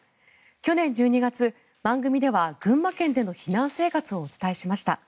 去年１２月、番組では群馬県での避難生活をお伝えしました。